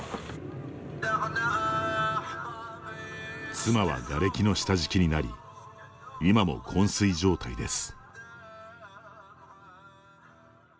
妻は、がれきの下敷きになり今もこん睡状態です。